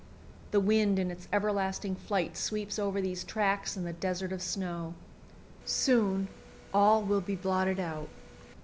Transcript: The wind in its everlasting flight sweeps over these tracks in the desert of snow. Soon all will be blotted out.